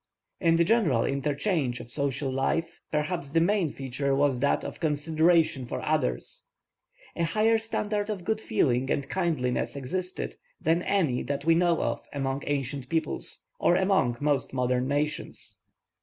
In the general interchange of social life perhaps the main feature was that of consideration for others. A higher standard of good feeling and kindliness existed than any that we know of among ancient peoples, or among most modern nations.